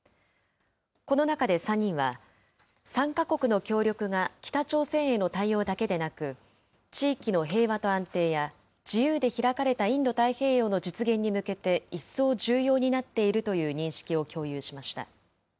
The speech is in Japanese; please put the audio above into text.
この中で３人は、３か国の協力が北朝鮮への対応だけでなく、地域の平和と安定や、自由で開かれたインド太平洋の実現に向けて、一層重要になっているという認識を共有しました。